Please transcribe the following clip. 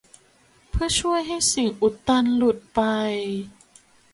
เพื่อช่วยให้สิ่งอุดตันหลุดไป